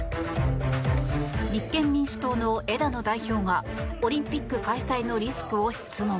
立憲民主党の枝野代表がオリンピック開催のリスクを質問。